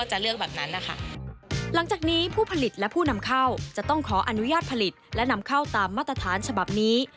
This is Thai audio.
หลังจากนี้ผู้ผลิตและผู้นำเข้าจะต้องขออนุญาตผลิตและนำเข้าตามมาตรฐานฉบับนี้